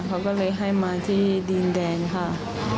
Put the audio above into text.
เขาก็เลยให้มาที่ดินแดนค่ะ